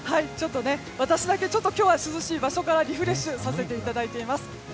私だけちょっと涼しい場所からリフレッシュさせていただいています。